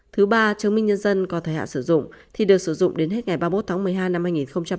thứ ba chứng minh nhân dân có thời hạn sử dụng thì được sử dụng đến hết ngày ba mươi một tháng một mươi hai năm hai nghìn hai mươi